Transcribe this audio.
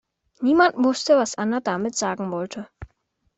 Niemand wusste was Anna damit sagen wollte.